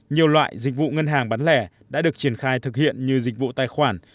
nhiều loại dịch vụ ngân hàng bán lẻ đã được triển khai thực hiện như dịch vụ tài khoản